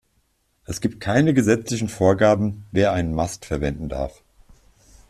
Es gibt keine gesetzlichen Vorgaben, wer einen Mast verwenden darf.